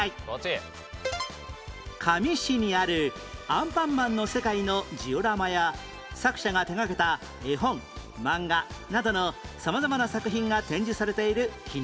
香美市にある『アンパンマン』の世界のジオラマや作者が手掛けた絵本・漫画などの様々な作品が展示されている記念館